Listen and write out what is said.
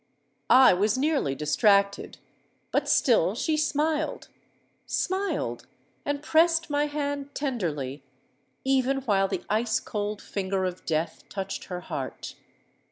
"I was nearly distracted; but still she smiled—smiled, and pressed my hand tenderly, even while the ice cold finger of Death touched her heart.